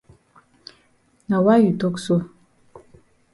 Na why you tok so?